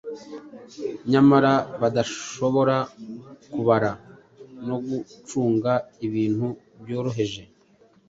nyamara badashobora kubara no gucunga ibintu byoroheje.